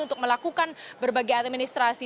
untuk melakukan berbagai administrasi